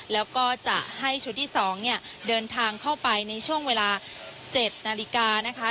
แล้วก็จะให้ชุดที่๒เนี่ยเดินทางเข้าไปในช่วงเวลา๗นาฬิกานะคะ